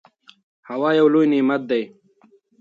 هوا یو لوی نعمت دی.